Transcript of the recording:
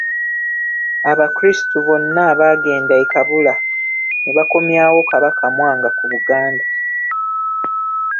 Abakristu bonnaabaagenda e Kabula ne bakomyawo Kabaka Mwanga ku Buganda.